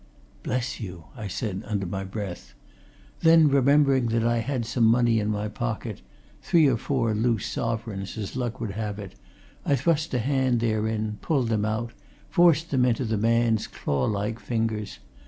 "Bless you!" I said under my breath. Then, remembering that I had some money in my pocket three or four loose sovereigns as luck would have it, I thrust a hand therein, pulled them out, forced them into the man's claw like fingers.